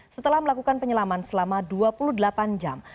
setelah melakukan penyelaman selama dua puluh delapan jam